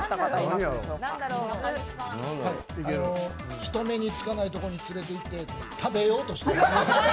人目につかないところに連れていって食べようとしている。